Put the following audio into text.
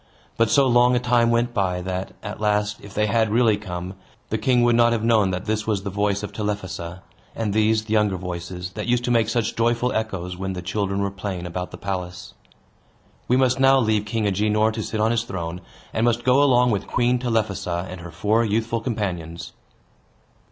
But so long a time went by, that, at last, if they had really come, the king would not have known that this was the voice of Telephassa, and these the younger voices that used to make such joyful echoes, when the children were playing about the palace. We must now leave King Agenor to sit on his throne, and must go along with Queen Telephassa, and her four youthful companions.